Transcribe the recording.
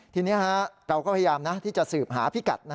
ทีนี้เราก็พยายามที่จะสืบหาพิกัด